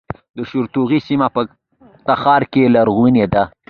د شورتوغۍ سیمه په تخار کې لرغونې ده